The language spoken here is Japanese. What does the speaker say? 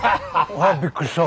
うわびっくりした！